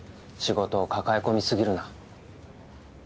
仕事を抱え込みすぎるな。